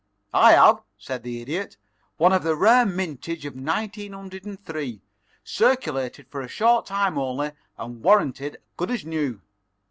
"I have," said the Idiot. "One of the rare mintage of 1903, circulated for a short time only and warranted good as new."